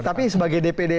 tapi sebagai dpd